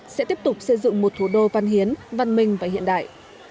sẽ tiếp tục xây dựng một thủ đô văn hiến văn minh và hiện đại